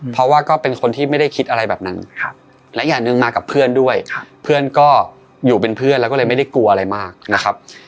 เพราะว่าก็เป็นคนที่ไม่ได้คิดอะไรแบบนั้นและอย่างหนึ่งมากับเพื่อนด้วยเพื่อนก็อยู่เป็นเพื่อนแล้วก็เลยไม่ได้กลัวอะไรมากนะครับ